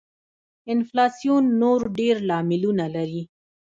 انفلاسیون نور ډېر لاملونه لري.